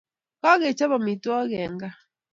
Kakechap amitwokik en gaa .